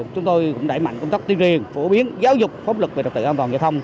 chúng tôi cũng đẩy mạnh công tác tuyên truyền phổ biến giáo dục pháp lực về đặc tự an toàn giải thông